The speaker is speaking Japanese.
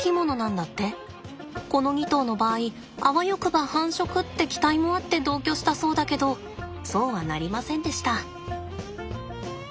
この２頭の場合あわよくば繁殖って期待もあって同居したそうだけどそうはなりませんでした。